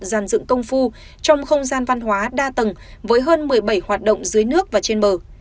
dàn dựng công phu trong không gian văn hóa đa tầng với hơn một mươi bảy hoạt động dưới nước và trên bờ